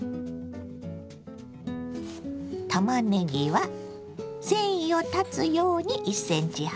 たまねぎは繊維を断つように１ｃｍ幅。